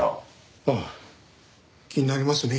ああ気になりますね。